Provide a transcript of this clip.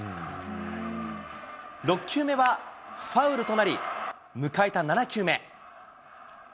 ６球目はファウルとなり、迎えた７球目。